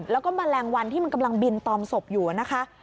แล้วก็แมลงวันที่มันกำลังบินตอมศพอยู่นะคะ